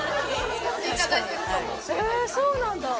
へぇそうなんだ。